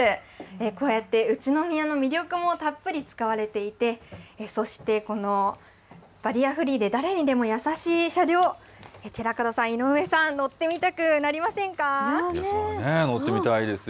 こうやって宇都宮の魅力もたっぷり使われていて、そして、このバリアフリーで、誰にでも優しい車両、寺門さん、井上さん、乗ってみたくなりませ乗ってみたいですよ。